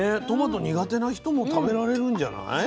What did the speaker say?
トマト苦手な人も食べられるんじゃない？